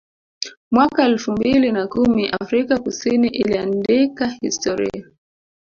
Mwaka elfu mbili na kumi Afrika Kusini iliandika historia